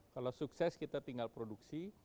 kalau sukses kita tinggal produksi